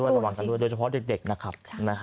ระวังกันด้วยโดยเฉพาะเด็กนะครับ